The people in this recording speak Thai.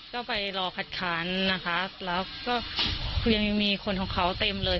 ก็ไปก็ไปรอขัดขันนะคะแล้วก็ยังไม่มีคนของเขาเต็มเลย